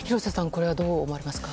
これはどう思われますか。